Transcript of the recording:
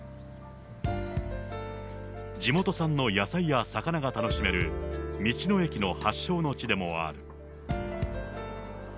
地元産の野菜や魚が楽しめる道の駅の発祥の地でもある。